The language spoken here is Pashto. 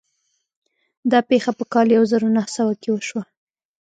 دا پېښه په کال يو زر و نهه سوه کې وشوه.